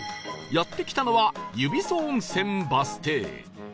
やって来たのはゆびそ温泉バス停